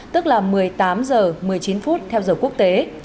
tức là một mươi tám h một mươi chín phút theo giờ quốc tế